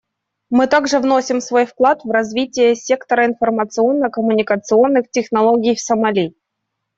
Мы также вносим свой вклад в развитие сектора информационно-коммуникационных технологий в Сомали.